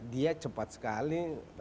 dia cepat sekali